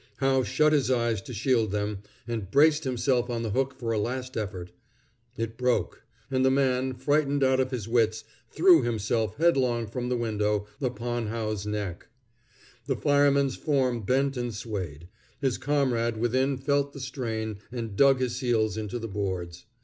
Howe shut his eyes to shield them, and braced himself on the hook for a last effort. It broke; and the man, frightened out of his wits, threw himself headlong from the window upon Howe's neck. The fireman's form bent and swayed. His comrade within felt the strain, and dug his heels into the boards.